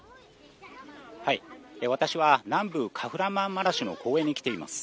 私は南部カフラマンマラシュの公園に来ています。